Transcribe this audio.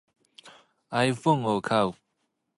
iPhone を買う